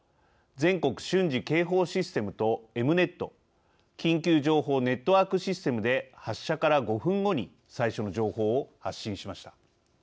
全国瞬時警報システムとエムネット＝緊急情報ネットワークシステムで発射から５分後に最初の情報を発信しました。